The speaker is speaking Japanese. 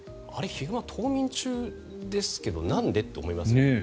ヒグマ冬眠中ですけどなんで？って思いますよね。